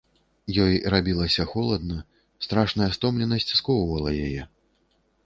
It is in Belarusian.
Ёй рабілася холадна, страшная стомленасць скоўвала яе.